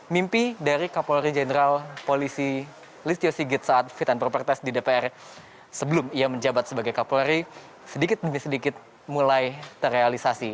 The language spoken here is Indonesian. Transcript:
mimpi dari kapolri jenderal polisi listio sigit saat fit and proper test di dpr sebelum ia menjabat sebagai kapolri sedikit demi sedikit mulai terrealisasi